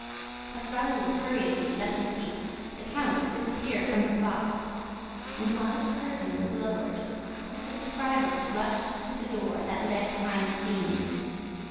But Raoul hurriedly left his seat, the count disappeared from his box and, while the curtain was lowered, the subscribers rushed to the door that led behind the scenes.